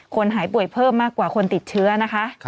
คนหายป่วยเพิ่มมากกว่าคนติดเชื้อนะคะ